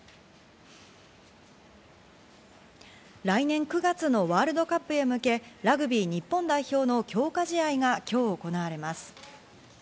来年９月のＷ杯へ向け、ラグビー日本代表の強化試合が今日、行われます。